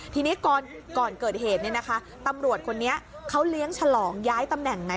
ทีนี้ก่อนเกิดเหตุเนี่ยนะคะตำรวจคนนี้เขาเลี้ยงฉลองย้ายตำแหน่งไง